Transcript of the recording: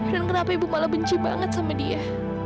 kenapa ibu malah benci banget sama dia